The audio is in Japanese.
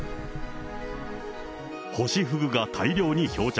ホシフグが大量に漂着。